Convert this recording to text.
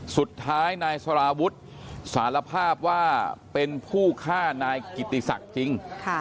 สุดท้ายนายสารวุฒิสารภาพว่าเป็นผู้ฆ่านายกิติศักดิ์จริง